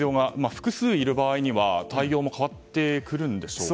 複数いる場合には対応も変わってくるんでしょうか。